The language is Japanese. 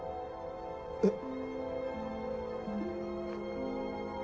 えっ？